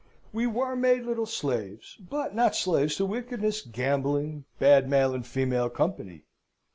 We were made little slaves, but not slaves to wickedness, gambling, bad male and female company.